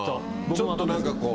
ちょっと何かこう。